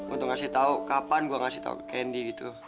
untuk ngasih tau kapan gua ngasih tau ke candy gitu